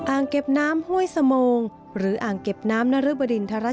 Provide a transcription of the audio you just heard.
อ่างเก็บน้ำห้วยสมงก์หรืออ่างเก็บน้ำนรบรินทรจินดา